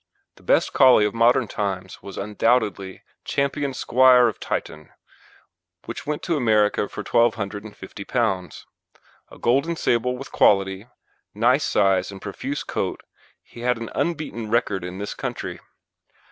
The best Collie of modern times was undoubtedly Ch. Squire of Tytton, which went to America for P1,250. A golden sable with quality, nice size, and profuse coat, he had an unbeaten record in this country.